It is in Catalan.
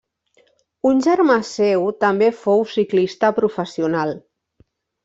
Un germà seu també fou ciclista professional.